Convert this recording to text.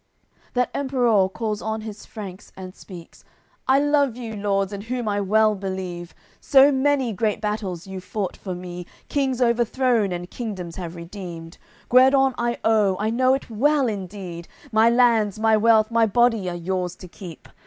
AOI. CCXLVI That Emperour calls on his Franks and speaks: "I love you, lords, in whom I well believe; So many great battles you've fought for me, Kings overthrown, and kingdoms have redeemed! Guerdon I owe, I know it well indeed; My lands, my wealth, my body are yours to keep.